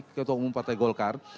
nah itu bagi ketua umum partai golkar